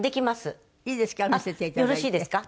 よろしいですか？